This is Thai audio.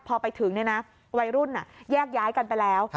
พอไปถึงวัยรุ่นแยกย้ายกันไปแล้ว